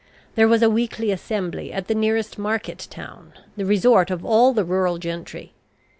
There was a weekly assembly at the nearest market town, the resort of all the rural gentry.